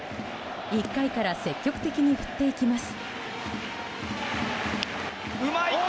１回から積極的に振っていきます。